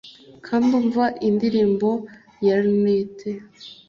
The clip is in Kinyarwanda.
kandi umva indirimbo ya linnet;